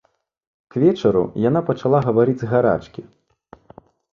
К вечару яна пачала гаварыць з гарачкі.